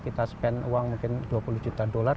kita spend uang mungkin dua puluh juta dolar